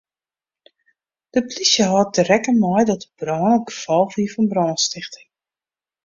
De plysje hâldt der rekken mei dat de brân it gefolch wie fan brânstichting.